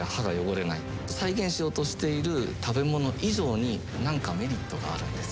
再現しようとしている食べ物以上に何かメリットがあるんです。